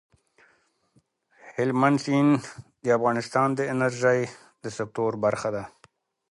هلمند سیند د افغانستان د انرژۍ د سکتور برخه ده.